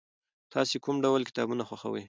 تاسې کوم ډول کتابونه خوښوئ؟